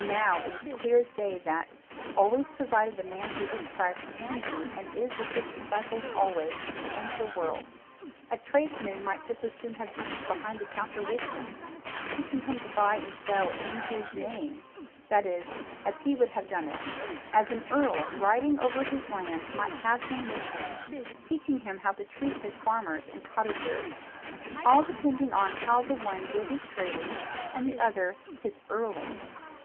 Now it was clear as day that always provided the man Christ Jesus can be and is with his disciples always to the end of the world a tradesman might just as soon have Jesus behind the counter with him, teaching him to buy and sell IN HIS NAME, that is, as he would have done it, as an earl riding over his lands might have him with him, teaching him how to treat his farmers and cottagers all depending on how the one did his trading and the other his earning.